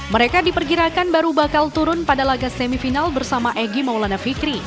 mereka diperkirakan baru bakal turun pada laga semifinal bersama egy maulana fikri